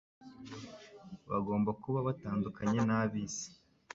Bagomba kuba batandukanye n’ab’isi.